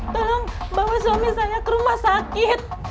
tolong bawa suami saya ke rumah sakit